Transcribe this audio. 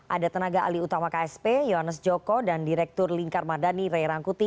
ada tenaga alih utama ksp yones joko dan direktur lingkar madani ray rangkuti